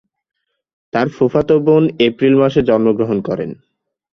তার ফুফাতো বোন এপ্রিল মাসে জন্মগ্রহণ করে।